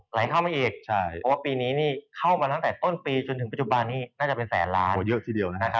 เพราะว่าปีนี้เข้ามาตั้งแต่ต้นปีจนถึงปัจจุบันนี้น่าจะเป็นแสนล้าน